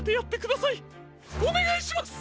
おねがいします！